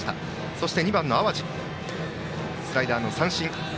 そして２番の淡路はスライダーの三振。